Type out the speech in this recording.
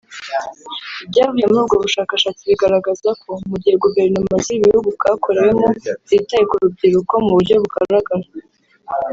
Ibyavuye muri ubwo bushakashatsi bigaragaza ko “mu gihe guverinoma z’ibihugu bwakorewemo zitaye ku rubyiruko mu buryo bugaragara